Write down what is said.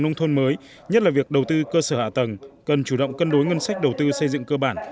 nông thôn mới nhất là việc đầu tư cơ sở hạ tầng cần chủ động cân đối ngân sách đầu tư xây dựng cơ bản